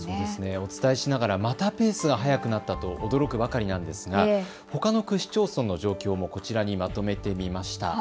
お伝えしながらまたペースが速くなったと驚くばかりなんですがほかの区市町村の状況もこちらにまとめてみました。